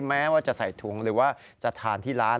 แม้ว่าจะใส่ถุงหรือว่าจะทานที่ร้าน